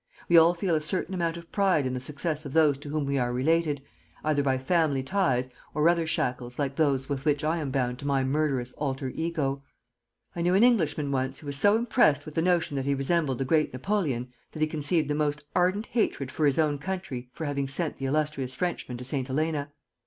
"We all feel a certain amount of pride in the success of those to whom we are related, either by family ties or other shackles like those with which I am bound to my murderous alter ego. I knew an Englishman once who was so impressed with the notion that he resembled the great Napoleon that he conceived the most ardent hatred for his own country for having sent the illustrious Frenchman to St. Helena.